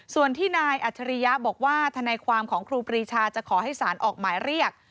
ส่วนที่นายอัจฉริยะบอกว่าทนายความของครูปรีชาจะขอให้สารออกหมายเรียก